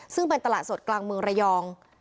ซึ่งเป็นตลาดสดกลางเมืองระยอง